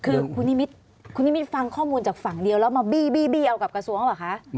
คือคุณนิมิตคุณนิมิตฟังข้อมูลจากฝั่งเดียวแล้วมาบี้เอากับกระทรวงหรือเปล่าคะ